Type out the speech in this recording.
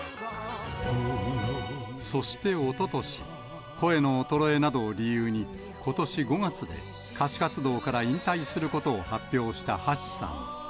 そして、おととし、声の衰えなどを理由に、ことし５月で歌手活動から引退することを発表した橋さん。